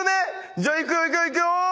じゃあいくよいくよいくよ！